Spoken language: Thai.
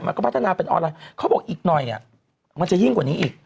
มันก็พัฒนาเป็นออนไลน์เขาบอกอีกหน่อยมันจะยิ่งกว่านี้อีก